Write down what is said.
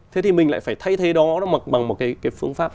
thế thì mình lại phải thay thế đó bằng một cái phương pháp